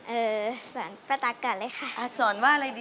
เออนี่ปะตักก่อนเลยค่ะ